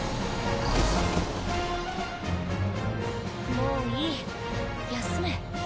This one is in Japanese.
もういい休め。